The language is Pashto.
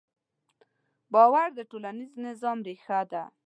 باور د ټولنیز نظم ریښه ده.